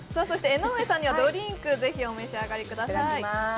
江上さんはドリンクをお召し上がりください。